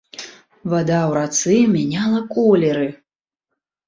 Вада ў рацэ мяняла колеры.